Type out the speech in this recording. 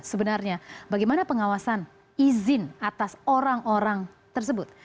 sebenarnya bagaimana pengawasan izin atas orang orang tersebut